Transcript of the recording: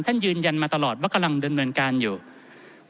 ยืนยันมาตลอดว่ากำลังดำเนินการอยู่